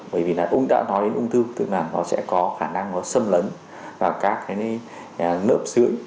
bởi vì đã nói đến ung thư tức là nó sẽ có khả năng nó sâm lấn vào các nớp sưỡi